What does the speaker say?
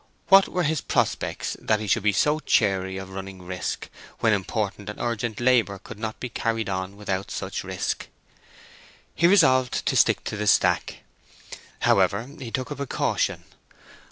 What were his prospects that he should be so chary of running risk, when important and urgent labour could not be carried on without such risk? He resolved to stick to the stack. However, he took a precaution.